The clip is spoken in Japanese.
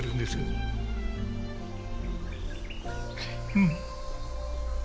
うん。